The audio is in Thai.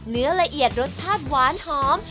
ละเอียดรสชาติหวานหอม